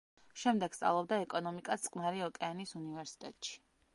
შემდეგ სწავლობდა ეკონომიკას წყნარი ოკეანის უნივერსიტეტში.